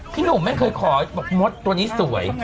พี่หนุ่มไม่เคยขอบอกมดตัวนี้สวย